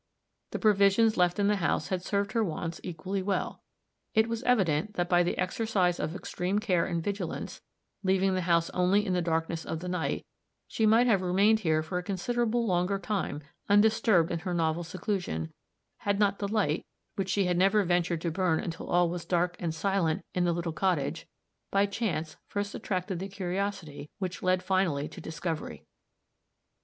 The provisions left in the house had served her wants equally well. It was evident that by the exercise of extreme care and vigilance, leaving the house only in the darkness of the night, she might have remained here for a considerable longer time undisturbed in her novel seclusion, had not the light, which she had never ventured to burn until all was dark and silent in the little cottage, by chance first attracted the curiosity which led finally to discovery.